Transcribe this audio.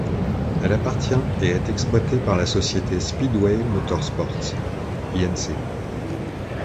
Elle appartient et est exploitée par la société Speedway Motorsports, Inc.